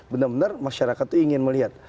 benar benar masyarakat itu ingin melihat